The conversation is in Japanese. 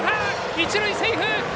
一塁、セーフ。